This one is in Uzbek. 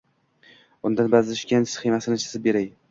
Undan ba’zisining sxemasini chizib beray.